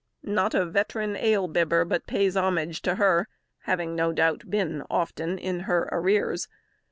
Not a veteran ale bibber but pays homage to her, having, no doubt, been often in her arrears.